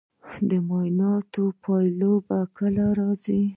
د معایناتو پایله کله راځي؟